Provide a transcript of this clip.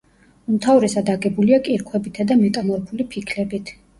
უმთავრესად აგებულია კირქვებითა და მეტამორფული ფიქლებით.